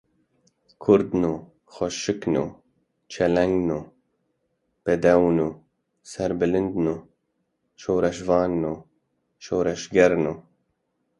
Kurdno! Xweşikno! Çelengno! Bedewno! Serbilindno! Şoreşvanno! Şoreşgerno!